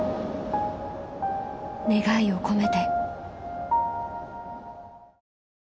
［願いを込めて］